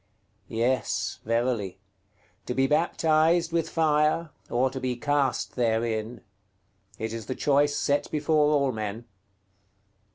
Yes, verily: to be baptized with fire, or to be cast therein; it is the choice set before all men.